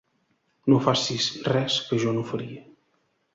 No facis res que jo no faria.